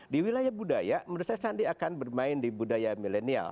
di wilayah budaya menurut saya sandi akan bermain di budaya milenial